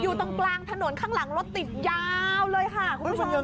อยู่ตรงกลางทานนทานนตรงข้างล่าง